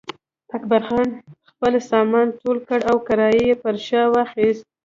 اکبرجان خپل سامان ټول کړ او کړایی یې پر شا واخیست.